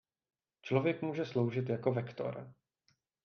Člověk může sloužit jako vektor.